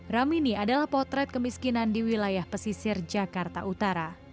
ramini adalah potret kemiskinan di wilayah pesisir jakarta utara